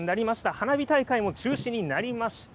花火大会も中止になりました。